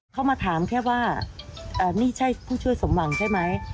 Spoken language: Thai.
เขามาถามแค่ว่านี่ใช่ผู้ช่วยสมหวังใช่ไหม